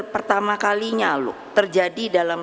pertama kalinya loh terjadi dalam